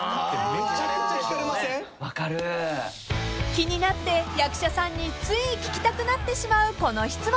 ［気になって役者さんについ聞きたくなってしまうこの質問］